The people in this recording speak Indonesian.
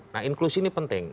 nah inklusi ini penting